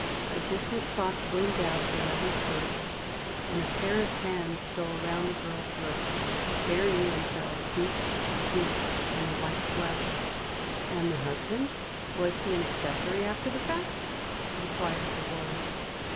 A distant clock boomed out eleven strokes, and a pair of hands stole round the girl's throat, burying themselves deep, deep in the white flesh. "And the husband, was he an accessory after the fact?" inquired the Boy.